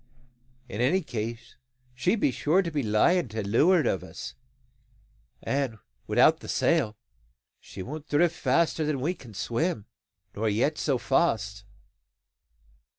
In any case she be sure to be lying to leuart o' us; and, without the sail, she won't drift faster than we can swim, nor yet so fast.